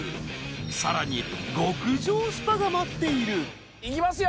さらに極上スパが待っているいきますよ！